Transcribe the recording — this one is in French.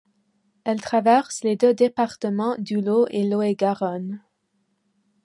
Elle traverse les deux départements du Lot et Lot-et-Garonne.